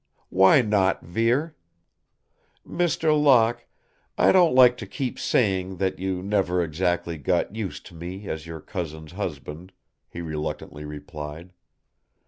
"Why not, Vere?" "Mr. Locke, I don't like to keep saying that you never exactly got used to me as your cousin's husband," he reluctantly replied.